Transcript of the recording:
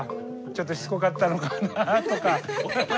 ちょっとしつこかったのかなとか。